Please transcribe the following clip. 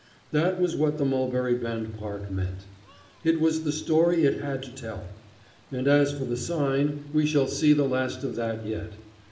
That was what the Mulberry Bend park meant. It was the story it had to tell. And as for the sign, we shall see the last of that yet.